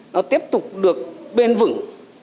nó tiếp tục được bền vững